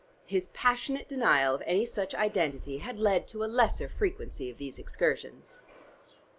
His passionate denial of any such identity had led to a lesser frequency of these excursions.